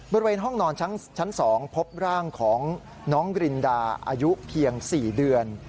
บริเวณห้องนอนชั้น๒พบร่างของน้องรินดาอายุเพียง๔เดือน